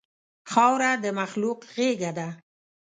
خاوره د مخلوق غېږه ده.